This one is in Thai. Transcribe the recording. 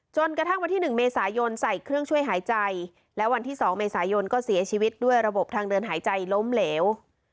กระทั่งวันที่๑เมษายนใส่เครื่องช่วยหายใจและวันที่๒เมษายนก็เสียชีวิตด้วยระบบทางเดินหายใจล้มเหลว